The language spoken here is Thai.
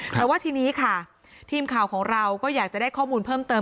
แต่ว่าทีนี้ค่ะทีมข่าวของเราก็อยากจะได้ข้อมูลเพิ่มเติม